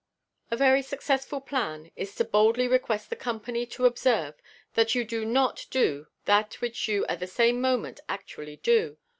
A very successful plan is to boldly request the company to observe that you do not do that which you at the same moment actually do.